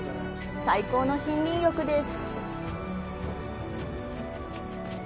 最高の森林浴です。